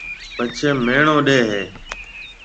پڇيَ ميڻيو ڏَي ھيََََ